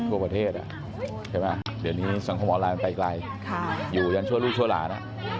ทั่วประเทศใช่ไหมเดี๋ยวนี้สังคมออนไลน์มันไปไกลอยู่กันชั่วลูกชั่วหลาน